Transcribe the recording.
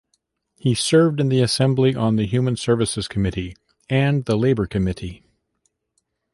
He served in the Assembly on the Human Services Committee and the Labor Committee.